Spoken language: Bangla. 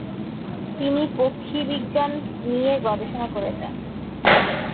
তিনি পক্ষীবিজ্ঞান নিয়ে গবেষণা করে যান।